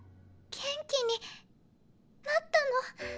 元気になったの？